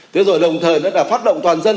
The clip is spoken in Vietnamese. thế rồi đồng thời nó là phát động toàn dân